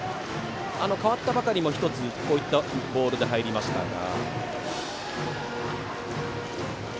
代わったばかりの時もこういったボールで入りましたが。